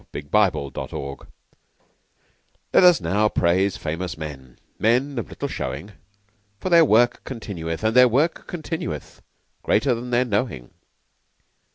By Rudyard Kipling "Let us now praise famous men" Men of little showing For their work continueth, And their work continueth, Greater than their knowing.